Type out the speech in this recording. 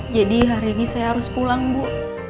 jadi hari ini saya harus pulang bu